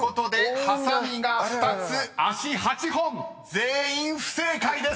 ［全員不正解です。